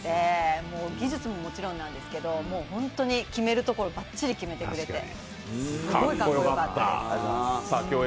もう技術ももちろんなんですけど本当に決めるところもばっちり決めてくれてすごいかっこよかった。